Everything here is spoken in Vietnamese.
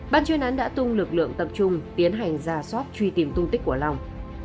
ban chuyên án đã tung lực lượng tập trung tiến hành ra soát truy tìm tung tích của long